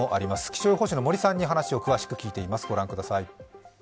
気象予報士の森さんに詳しく話を聞いています。